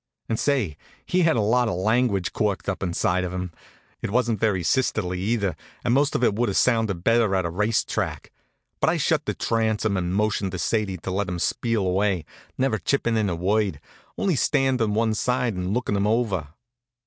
And say, he had a lot of language corked up inside of him. It wasn't very sisterly, either, and most of it would have sounded better at a race track; but I shut the transom and motioned to Sadie to let him spiel away, never chippin' in a word, only standing one side and lookin' him over.